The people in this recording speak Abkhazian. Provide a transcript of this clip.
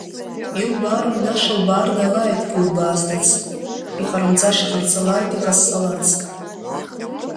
Илбаарымдаша лбаардалааит илбааздац, иҟарымҵаша ҟарҵалааит иҟазҵалац.